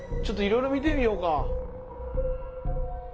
ちょっといろいろ見てみようか。